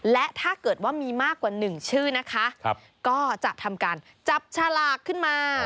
และถ้าเกิดว่ามีมากกว่า๑ชื่อนะคะก็จะทำการจับฉลากขึ้นมา